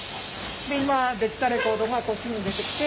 で今出来たレコードがこっちに出てきて。